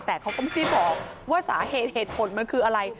แต่เขาก็ไม่ได้บอกว่าสาเหตุเหตุผลมันคืออะไร